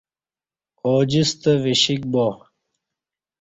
اوجیستہ وشِیک با